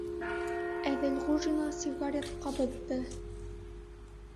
- Әҙелғужина сигарет ҡабыҙҙы.